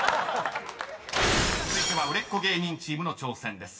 ［続いては売れっ子芸人チームの挑戦です。